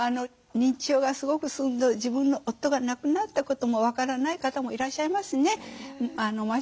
認知症がすごく進んで自分の夫が亡くなったことも分からない方もいらっしゃいますね。